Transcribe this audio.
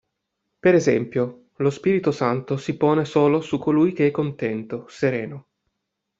Per esempio, lo Spirito Santo si pone solo su colui che è contento, sereno.